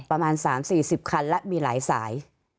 ประมาณ๓๔๐คันและมีหลายสาย